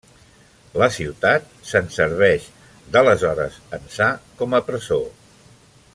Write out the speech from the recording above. La ciutat se'n serveix d'aleshores ençà com a presó.